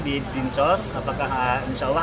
di din sos apakah insya allah